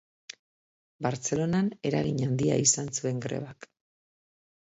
Bartzelonan eragin handia izan zuen grebak.